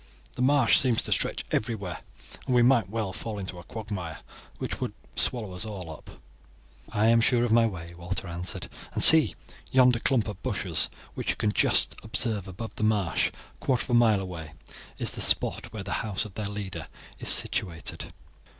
"The marsh seems to stretch everywhere, and we might well fall into a quagmire, which would swallow us all up. "I am sure of my way," Walter answered; "and see, yonder clump of bushes, which you can just observe above the marsh, a quarter of a mile away, is the spot where the house of their leader is situated."